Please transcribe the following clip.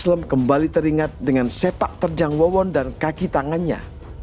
slam kembali teringat dengan sepak terjang wawon dan kaki tangannya